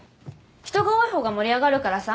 人が多いほうが盛り上がるからさ。